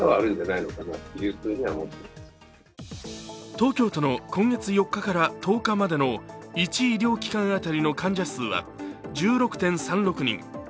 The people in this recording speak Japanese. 東京都の今月４日から１０日までの１医療機関当たりの患者数は１６．３６人。